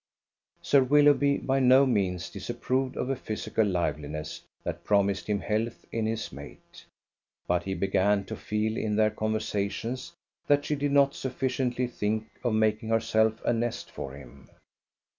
Sir Willoughby by no means disapproved of a physical liveliness that promised him health in his mate; but he began to feel in their conversations that she did not sufficiently think of making herself a nest for him.